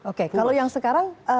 oke kalau yang sekarang